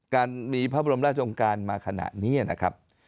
การมีพระบรมราชองค์การมาขณะนี้นะครับ